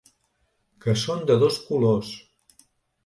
Que són de dos colors.